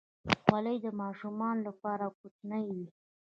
خولۍ د ماشومانو لپاره کوچنۍ وي.